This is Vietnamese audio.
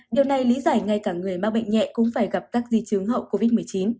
điều này lý giải ngay cả người mắc bệnh nhẹ cũng phải gặp các di chứng hậu covid một mươi chín